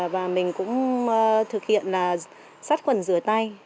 và mình cũng thực hiện sát quần rửa tay